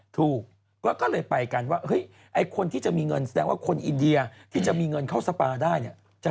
ถูกก็เลยไปกันว่าเฮ้ยไอ้คนที่จะมีเงินแสดงว่าคนอินเดียที่จะมีเงินเข้าสปาได้เนี่ย